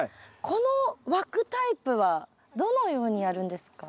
この枠タイプはどのようにやるんですか？